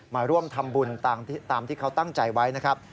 มาร่วมทำบุญตามที่เขาตั้งใจไว้นะครับ